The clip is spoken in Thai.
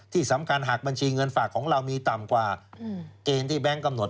ที่สำคัญหากบัญชีเงินฝากของเรามีต่ำกว่าเกณฑ์ที่แบงค์กำหนด